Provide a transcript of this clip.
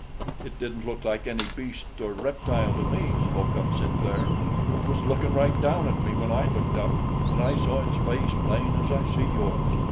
"It didn't look like any beast or reptile to me," spoke up Sinclair. "It was lookin' right down at me when I looked up and I saw its face plain as I see yours.